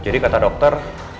jadi kata dokter